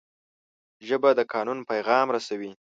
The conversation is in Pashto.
ژبه د قانون پیغام رسوي